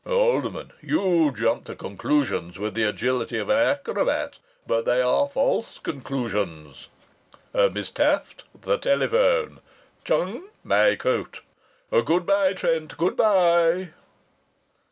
Alderman, you jump to conclusions with the agility of an acrobat, but they are false conclusions! Miss Taft, the telephone! Chung, my coat! Good bye, Trent, good bye!"